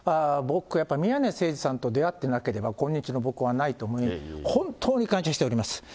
僕、やっぱり宮根誠司さんと出会ってなければ、今日の僕はないと思い、本当に感謝しております。